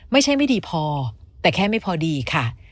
ไม่ใช่ไม่ดีพอแต่แค่ไม่พอดีค่ะ